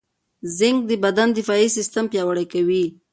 زېنک د بدن دفاعي سیستم پیاوړی کوي.